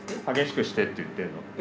激しくしてって言ってるの？